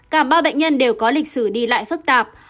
cả ba bệnh nhân đều có lịch sử đi lại phức tạp